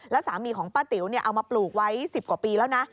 แล้วสามีของป้าติ๋วเอามาปลูกไว้๑๐กว่าปีแล้วนะ